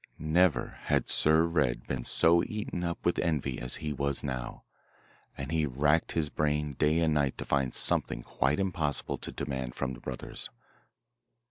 Never had Sir Red been so eaten up with envy as he was now, and he racked his brain day and night to find something quite impossible to demand from the brothers.